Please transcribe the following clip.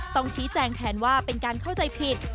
ต้องชี้แจงแทนว่าเป็นการเข้าใจผิด